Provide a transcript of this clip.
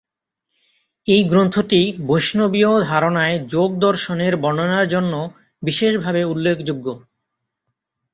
এই গ্রন্থটি বৈষ্ণবীয় ধারণায় যোগ দর্শনের বর্ণনার জন্য বিশেষভাবে উল্লেখযোগ্য।